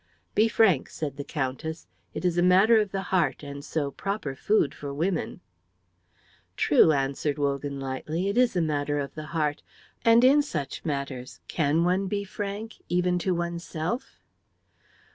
"Be frank," said the Countess; "it is a matter of the heart, and so proper food for women." "True," answered Wogan, lightly, "it is a matter of the heart, and in such matters can one be frank even to oneself?"